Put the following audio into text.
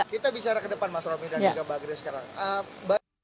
kita bicara ke depan mas romy dan juga mbak grace sekarang